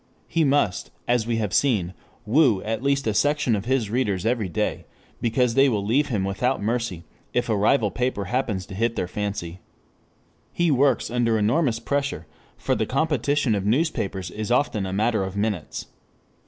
He must, as we have seen, woo at least a section of his readers every day, because they will leave him without mercy if a rival paper happens to hit their fancy. He works under enormous pressure, for the competition of newspapers is often a matter of minutes.